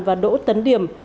và đỗ tấn điểm